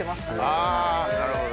あなるほど。